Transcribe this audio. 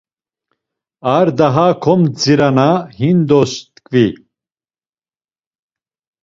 Ar daha komdzirana hindos t̆ǩvi.